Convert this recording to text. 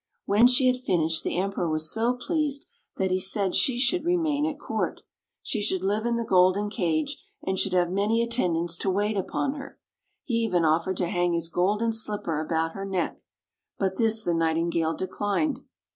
When she had finished the Emperor was so pleased that he said she should remain at com't. She should live in the golden cage, and should have many attendants to wait upon her. He even offered to hang his golden slipper about her neck. But this the Nightingale declined.